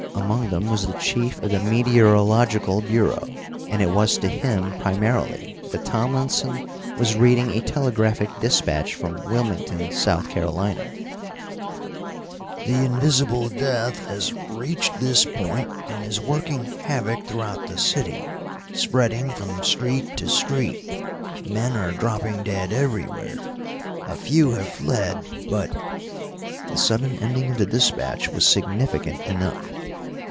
Among them was the chief of the Meteorological Bureau, and it was to him primarily that Tomlinson was reading a telegraphic dispatch from Wilmington, South Carolina: "The Invisible Death has reached this point and is working havoc throughout the city, spreading from street to street. Men are dropping dead everywhere. A few have fled, but " The sudden ending of the dispatch was significant enough.